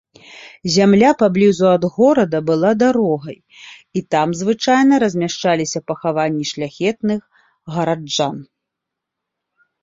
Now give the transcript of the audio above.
Зямля паблізу ад горада была дарогай, і там звычайна размяшчаліся пахаванні шляхетных гараджан.